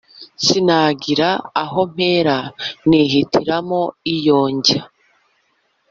sinagira aho mpera nihitiramo iyo njya